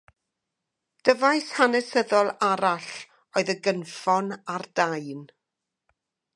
Dyfais hanesyddol arall oedd y gynffon ar daen.